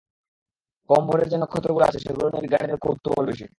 কম ভরের যে নক্ষত্রগুলো আছে সেগুলো নিয়ে বিজ্ঞানীদের কৌতূহল বেশি।